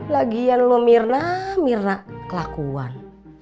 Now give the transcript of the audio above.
lagian lo mirna mirna kelakuan